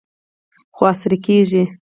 خو عصري کیږي.